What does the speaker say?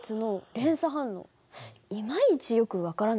いまいちよく分からないね。